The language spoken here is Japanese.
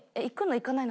行かないの？